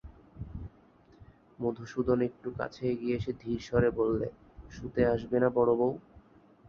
মধুসূদন একটু কাছে এগিয়ে এসে ধীর স্বরে বললে, শুতে আসবে না বড়োবউ?